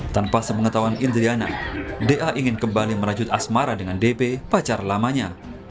tanpa sepengetahuan indriana da ingin kembali merajut asmara dengan dp pacar lamanya